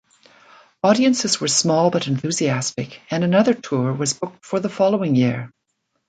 Audiences were small but enthusiastic, and another tour was booked for the following year.